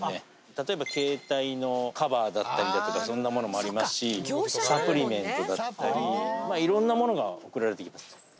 例えば携帯のカバーだったりそんな物もありますしサプリメントだったりいろんな物が送られてきます。